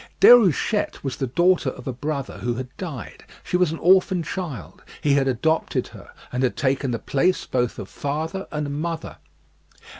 Déruchette was the daughter of a brother who had died: she was an orphan child: he had adopted her, and had taken the place both of father and mother.